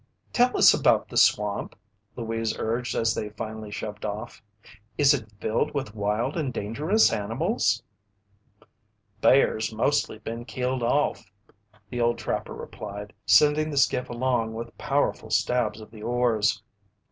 "Tell us about the swamp," Louise urged as they finally shoved off. "Is it filled with wild and dangerous animals?" "Bears mostly been killed off," the old trapper replied, sending the skiff along with powerful stabs of the oars.